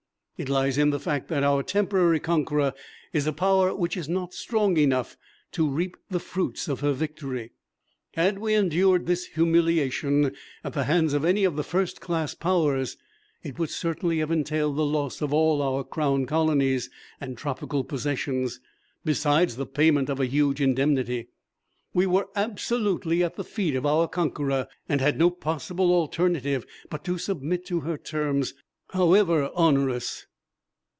It lies in the fact that our temporary conqueror is a Power which is not strong enough to reap the fruits of her victory. Had we endured this humiliation at the hands of any of the first class Powers it would certainly have entailed the loss of all our Crown Colonies and tropical possessions, besides the payment of a huge indemnity. We were absolutely at the feet of our conqueror and had no possible alternative but to submit to her terms, however onerous.